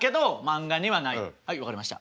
はい分かりました。